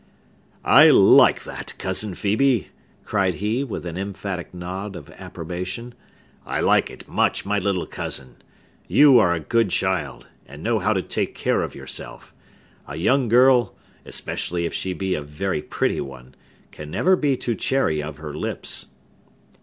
"I like that, Cousin Phœbe!" cried he, with an emphatic nod of approbation. "I like it much, my little cousin! You are a good child, and know how to take care of yourself. A young girl—especially if she be a very pretty one—can never be too chary of her lips."